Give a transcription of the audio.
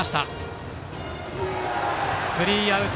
スリーアウト！